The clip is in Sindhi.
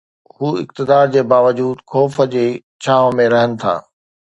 هو اقتدار جي باوجود خوف جي ڇانو ۾ رهن ٿا.